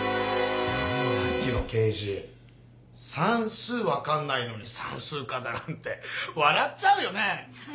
さっきの刑事さんすう分かんないのにさんすう課だなんてわらっちゃうよね！